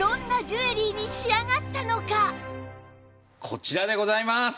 こちらでございます！